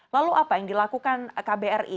lalu apa yang dilakukan kbri